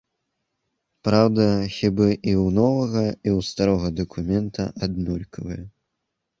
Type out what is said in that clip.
Праўда, хібы і ў новага, і ў старога дакумента аднолькавыя.